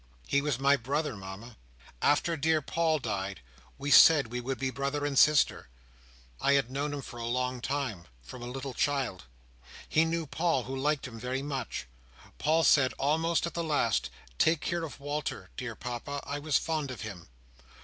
"He was my brother, Mama. After dear Paul died, we said we would be brother and sister. I had known him a long time—from a little child. He knew Paul, who liked him very much; Paul said, almost at the last, 'Take care of Walter, dear Papa! I was fond of him!